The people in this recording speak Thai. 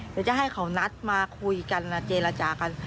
เดี๋ยวจะให้เขานัดมาคุยกันเจรจากัน